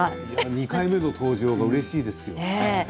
２回目の登場がうれしいです。